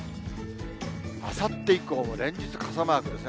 あさって以降も連日、傘マークですね。